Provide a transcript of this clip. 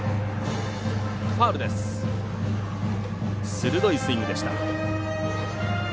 鋭いスイングでした。